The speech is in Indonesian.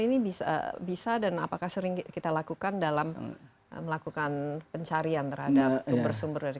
ini bisa bisa dan apakah sering kita lakukan dalam melakukan pencarian terhadap sumber sumber dari